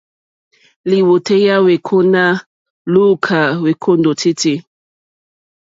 Lìwòtéyá wèêkóná lùúkà wêkóndòtítí.